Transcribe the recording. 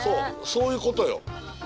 そういうことよ。